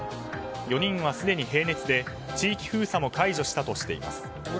４人はすでに平熱で地域封鎖も解除したとしています。